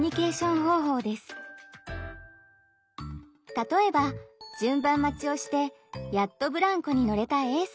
例えば順番待ちをしてやっとブランコに乗れたＡさん。